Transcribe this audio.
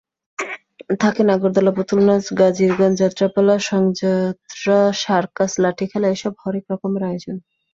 থাকে নাগরদোলা, পুতুলনাচ, গাজির গান, যাত্রাপালা, সংযাত্রা, সার্কাস, লাঠিখেলা—এসব হরেক রকমের আয়োজন।